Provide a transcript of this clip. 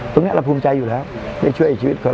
ตรงนี้เราภูมิใจอยู่แล้วได้ช่วยชีวิตเขา